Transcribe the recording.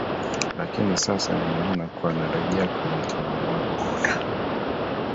lakini sasa ninaona kuwa narejea kwenye utimamu wangu na